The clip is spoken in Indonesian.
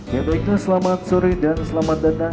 ya baiklah selamat sore dan selamat datang